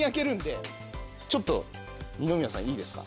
ちょっと二宮さんいいですか？